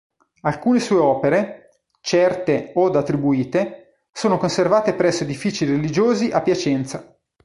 Alcune sue opere, certe od attribuite, sono conservate presso edifici religiosi a Piacenza.